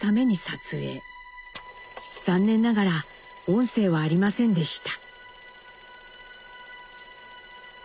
残念ながら音声はありませんでした。